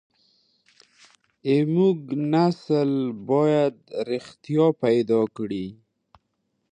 زموږ نسل بايد رښتيا پيدا کړي.